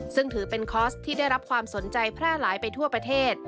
ซึ่งถือเป็นคอร์สที่ได้รับความสนใจแพร่หลายไปทั่วประเทศ